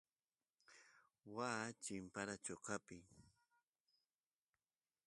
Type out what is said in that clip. waa chimpara qochapi